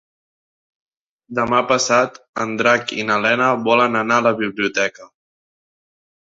Demà passat en Drac i na Lena volen anar a la biblioteca.